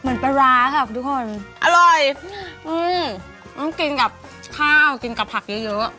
ปลาร้าค่ะทุกคนอร่อยอืมต้องกินกับข้าวกินกับผักเยอะเยอะ